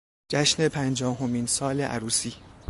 جشن پنجاهمین سال عروسی